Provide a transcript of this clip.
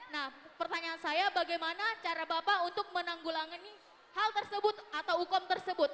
nah pertanyaan saya bagaimana cara bapak untuk menanggulangi hal tersebut atau hukum tersebut